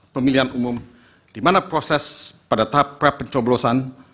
pemilihan umum di mana proses pada tahap prapencoblosan